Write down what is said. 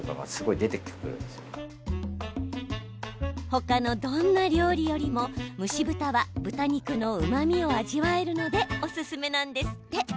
他のどんな料理よりも蒸し豚は豚肉のうまみを味わえるのでおすすめなんですって。